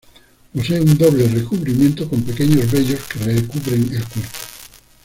Posee un doble recubrimiento, con pequeños vellos que recubren el cuerpo.